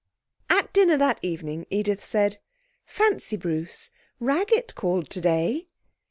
At dinner that evening Edith said 'Fancy, Bruce, Raggett called today!'